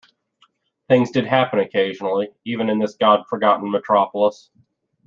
Things did happen occasionally, even in this God-forgotten metropolis.